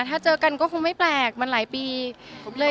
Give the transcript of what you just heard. ถ้าเจอกันก็คงไม่แปลกมันหลายปี